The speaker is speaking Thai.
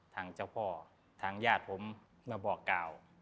ทางเจ้าพ่อทางญาติผมมาบอกกล่าว